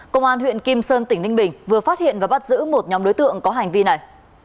công an huyện kim sơn tỉnh ninh bình vừa phát hiện và bắt giữ một nhóm đối tượng có hành vi này